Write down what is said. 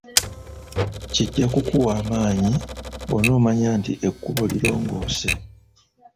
Kijja kukuwa amaanyi bwonomanya nti ekkubo lirongoose.